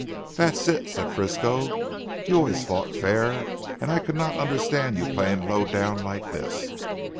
"That's it," said Frisco, "you always fought fair and I could not understand your playing low down like this.